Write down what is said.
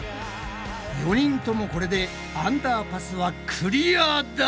４人ともこれでアンダーパスはクリアだ！